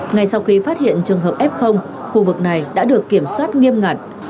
ngay sau khi phát hiện trường hợp f khu vực này đã được kiểm soát nghiêm ngặt